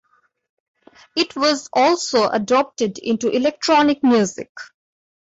It was also adopted into electronic music.